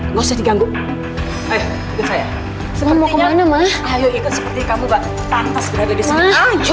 ngusut ganggu ayo ikut saya mau kemana mas ayo ikut seperti kamu mbak tantes berada di sini